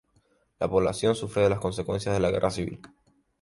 La población sufre las consecuencias de la Guerra Civil.